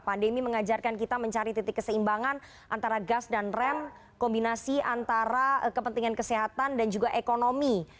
pandemi mengajarkan kita mencari titik keseimbangan antara gas dan rem kombinasi antara kepentingan kesehatan dan juga ekonomi